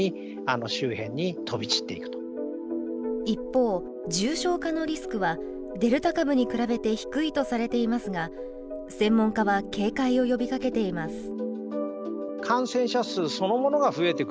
一方重症化のリスクはデルタ株に比べて低いとされていますが専門家は警戒を呼びかけています。